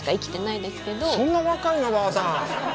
そんな若いの？ばあさん。